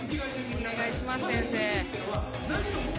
お願いします先生。